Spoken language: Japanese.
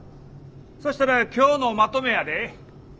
そしたら今日のまとめやで。